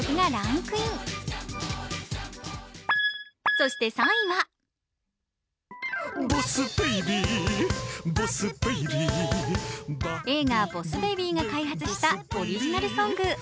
そして３位は映画「ボス・ベイビー」が開発したオリジナルソング。